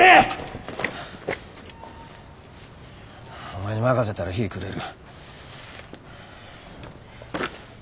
お前に任せたら日ぃ暮れる。